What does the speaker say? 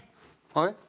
はい？